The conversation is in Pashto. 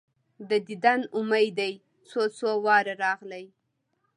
د دیدن امید دي څو، څو واره راغلی